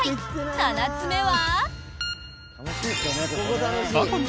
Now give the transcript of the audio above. ７つ目は？